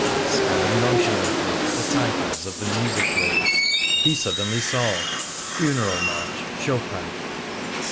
Scanning nonchalantly the titles of the music rolls, he suddenly saw: "Funeral March. Chopin."